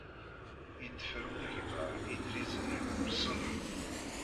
Yeḍfer unegmar idrizen n wursu-nni.